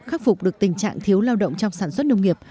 khắc phục được tình trạng thiếu lao động trong sản xuất nông nghiệp